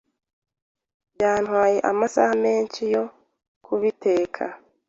Byantwaye amasaha menshi yo kubiteka.